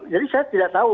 jadi saya tidak tahu